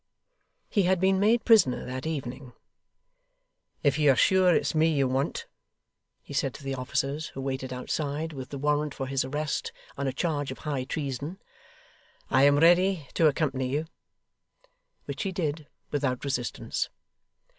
He had been made prisoner that evening. 'If you are sure it's me you want,' he said to the officers, who waited outside with the warrant for his arrest on a charge of High Treason, 'I am ready to accompany you ' which he did without resistance.